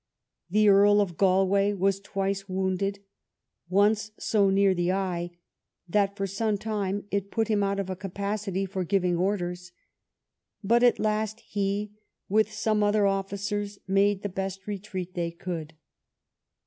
The earl of Galway was twice wounded; once so near the eye, that for some time it put him out of a capacity for giving orders; but at last he, with some other officers, made the best retreat they could.